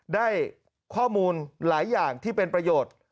ได้ข้อมูลหลายอย่างที่เป็นประโยชน์